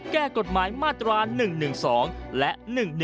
แก้กฎหมายมาตรา๑๑๒และ๑๑